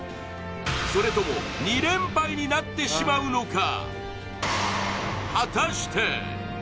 それとも２連敗になってしまうのか？